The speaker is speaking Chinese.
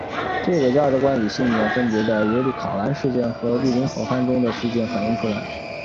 这个价值观与信念分别在尤里卡栅栏事件和绿林好汉的事迹中反映出来。